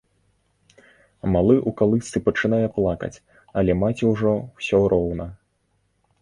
Малы ў калысцы пачынае плакаць, але маці ўжо ўсё роўна.